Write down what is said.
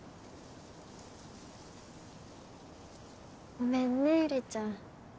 ごめんね悠里ちゃん。